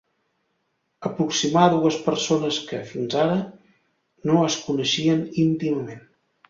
Aproximar dues persones que, fins ara, no es coneixien íntimament.